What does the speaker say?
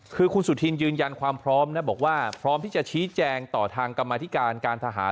คุณสุธินยืนยันความพร้อมพร้อมที่จะชี้แจงต่อทางกรรมอทิการการทหาร